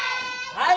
はい。